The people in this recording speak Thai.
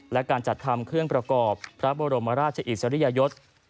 และการจัดทำเครื่องประกอบพระบรมราชอิสริยยศ